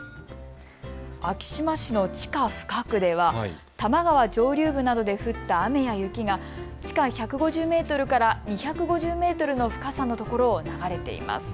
昭島市の地下深くでは多摩川上流部などで降った雨や雪が地下１５０メートルから２５０メートルの深さのところを流れています。